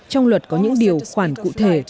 trong luật có những điều khoản cụ thể